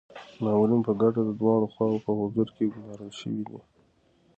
مامورین په ګډه د دواړو خواوو په حضور کي ګمارل شوي دي.